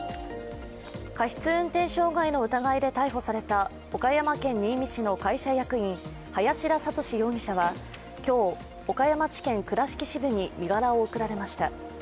過失運転傷害の疑いで逮捕された岡山県新見市の会社役員林田覚容疑者は今日、岡山地検倉敷支部に身柄を送られました。